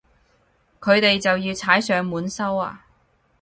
佢哋就要踩上門收啊